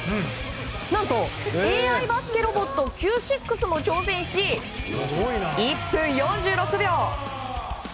何と、ＡＩバスケロボットＣＵＥ６も挑戦し１分４６秒。